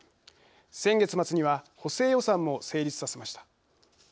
先月末には補正予算も成立させました。